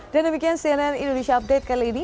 dan demikian cnn indonesia update kali ini